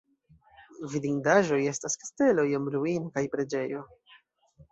Vidindaĵoj estas kastelo iom ruina kaj preĝejo.